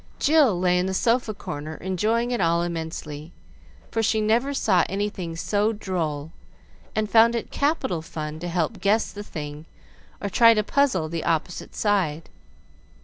Jill lay in the sofa corner enjoying it all immensely; for she never saw anything so droll, and found it capital fun to help guess the thing, or try to puzzle the opposite side.